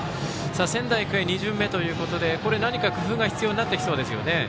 仙台育英、２巡目ということでこれ何か、工夫が必要になってきそうですよね。